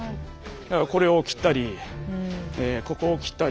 これを斬ったりここを斬ったり。